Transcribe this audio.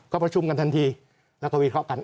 ก็ประชุมกันทันทีแล้วก็วิเคราะห์กัน